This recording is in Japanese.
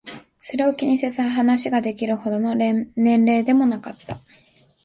それを気にせず話ができるほどの年齢でもなかった。